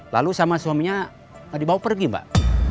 lalu sama suaminya dibawa pergi mbak